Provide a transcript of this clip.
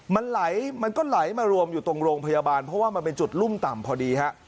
มันไหลมันก็ไหลมารวมอยู่ตรงโรงพยาบาลเพราะว่ามันเป็นจุดรุ่มต่ำพอดีฮะ